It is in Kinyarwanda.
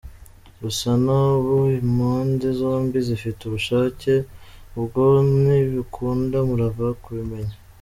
Gusa n’ubu impande zombi zifite ubushake ubwo nibukunda muraza kubimenya.